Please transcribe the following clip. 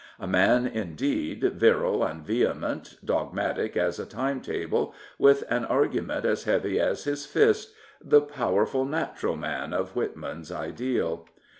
A man indeed, vjydle and vehement, dog matic as a timetable, with an argument as heavy as his fist —" the powerful, natural man " of Whitman's ideal.